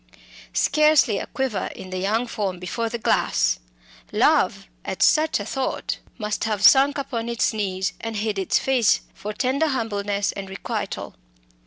Scarcely a quiver in the young form before the glass! Love, at such a thought, must have sunk upon its knees and hid its face for tender humbleness and requital.